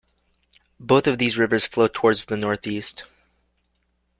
Both of these rivers flow towards the northeast.